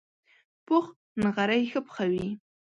پوخ نغری ښه پخوي